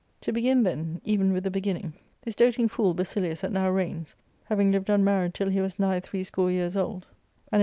To begin, then, even with the beginning, this doting fool Basilius that now reigns, having lived immarried till he was nigh threescore years old, and in 252 ARCADIA.